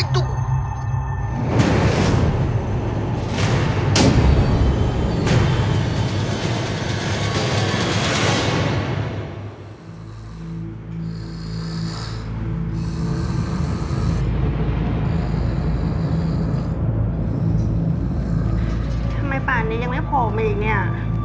ป่านนี้ยังไม่พอมาอีกเนี่ย